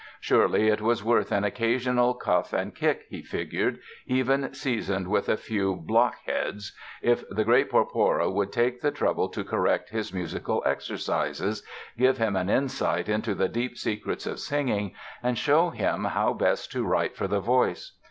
Surely it was worth an occasional cuff and kick, he figured, even seasoned with a few "blockheads", if the great Porpora would take the trouble to correct his musical exercises, give him an insight into the deep secrets of singing and show him how best to write for the voice.